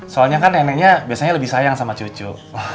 soalnya kan neneknya biasanya lebih sayang sama cucu